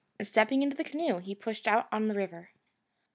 And stepping into the canoe he pushed out on the river.